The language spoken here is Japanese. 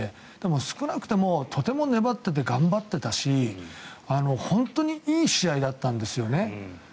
少なくともとても粘っていて頑張っていたし本当にいい試合だったんですよね。